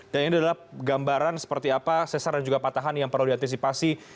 dan ini adalah gambaran seperti apa sesar dan juga patahan yang perlu diantisipasi